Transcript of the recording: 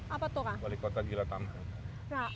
apa tuh kang wali kota gila taman